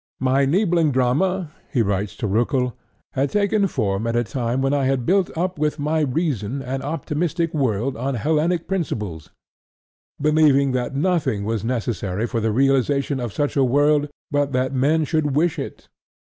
"My Niblung drama," he writes to Roeckel, "had taken form at a time when I had built up with my reason an optimistic world on Hellenic principles, believing that nothing was necessary for the realization of such a world but that men should wish it.